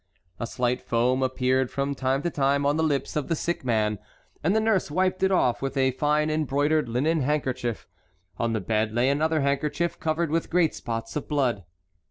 A slight foam appeared from time to time on the lips of the sick man, and the nurse wiped it off with a fine embroidered linen handkerchief. On the bed lay another handkerchief covered with great spots of blood.